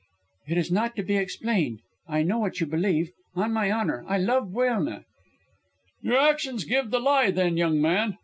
"It is not to be explained. I know what you believe. On my honour, I love Buelna." "Your actions give you the lie, then, young man.